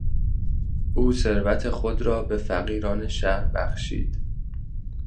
او ثروت خود را به فقیران شهر بخشید.